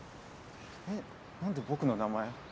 えっ何で僕の名前。